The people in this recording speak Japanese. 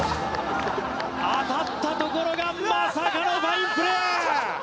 当たった所がまさかのファインプレー。